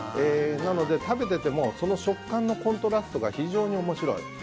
なので、食べててもその食感のコントラストが非常に面白い。